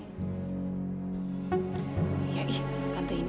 kamu harus bersyukur kamu gak mama usir dari sini